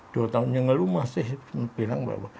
dua tahunnya ngeluh masih bilang